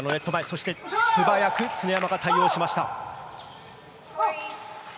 素早く常山が対応しました。